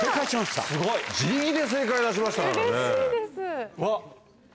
はい自力で正解出したからね。